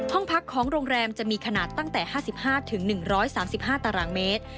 ห้องพักของโรงแรมจะมีขนาดตั้งแต่๕๕๑๓๕ตารางเมตร